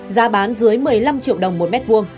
giá bán dưới một mươi năm triệu đồng một m hai